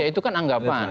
ya itu kan anggapan